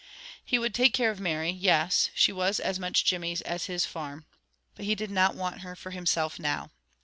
He would take care of Mary, yes, she was as much Jimmy's as his farm, but he did not want her for himself now.